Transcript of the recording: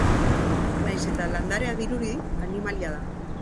Nahiz eta landarea dirudi, animalia da.